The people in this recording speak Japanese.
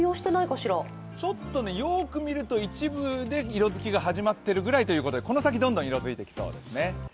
よーく見ると一部で色づきが始まっているぐらいということでこの先どんどん色づいてきそうですね。